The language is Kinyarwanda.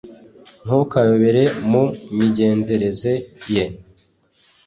Ntukayobere mu migenzereze ye